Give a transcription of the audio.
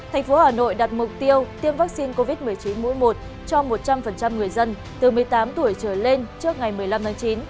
thành phố hà nội đặt mục tiêu tiêm vaccine covid một mươi chín mũi một cho một trăm linh người dân từ một mươi tám tuổi trở lên trước ngày một mươi năm tháng chín